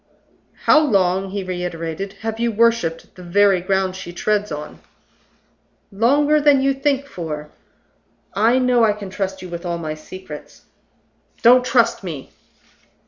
"How long," he reiterated, "have you worshipped the very ground she treads on?" "Longer than you think for. I know I can trust you with all my secrets " "Don't trust me!"